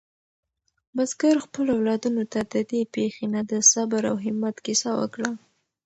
بزګر خپلو اولادونو ته د دې پېښې نه د صبر او همت کیسه وکړه.